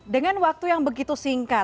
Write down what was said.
dengan waktu yang begitu singkat